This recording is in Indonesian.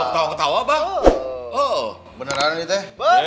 ketawa ketawa pak beneran itu ya